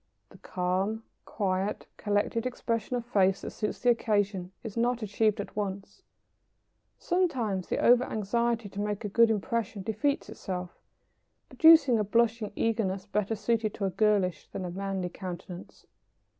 The calm, quiet, collected expression of face that suits the occasion is not achieved at once. Sometimes the over anxiety to make a good impression defeats itself, producing a blushing eagerness better suited to a girlish than a manly countenance.